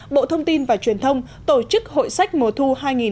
bộ thông tin và truyền thông tổ chức hội sách mùa thu hai nghìn một mươi chín